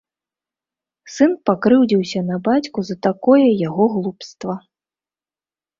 Сын пакрыўдзіўся на бацьку за такое яго глупства.